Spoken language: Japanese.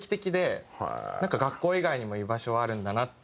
なんか学校以外にも居場所はあるんだなって。